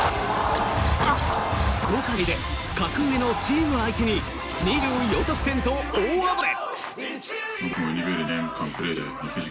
強化試合で格上のチーム相手に２４得点と大暴れ！